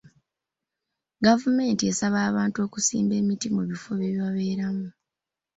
Gavumenti esaba abantu okusimba emiti mu bifo bye babeeramu.